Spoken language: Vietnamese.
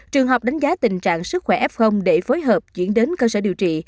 trường học đánh giá tình trạng sức khỏe f để phối hợp chuyển đến cơ sở điều trị